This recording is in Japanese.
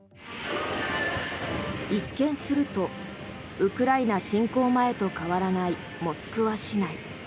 一見するとウクライナ侵攻前と変わらないモスクワ市内。